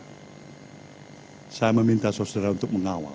hai saya meminta saudara untuk mengawal